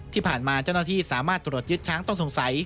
ที่ผ่านมาเจ้าหน้าที่สามารถตรวจยึดช้างต้องสงสัย